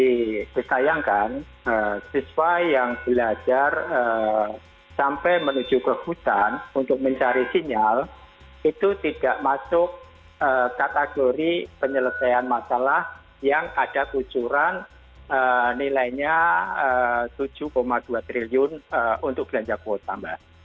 jadi disayangkan siswa yang belajar sampai menuju ke hutan untuk mencari sinyal itu tidak masuk kategori penyelesaian masalah yang ada kucuran nilainya rp tujuh dua triliun untuk belanja kuota tambah